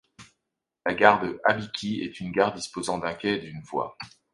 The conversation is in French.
La gare de Abiki est une gare disposant d'un quai et d'une voie.